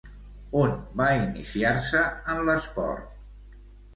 On va iniciar-se en l'esport?